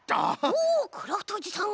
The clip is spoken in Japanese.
おおクラフトおじさん！